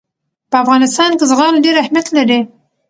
په افغانستان کې زغال ډېر اهمیت لري.